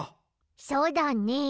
そうだね。